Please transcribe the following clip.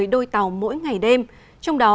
một mươi đôi tàu mỗi ngày đêm trong đó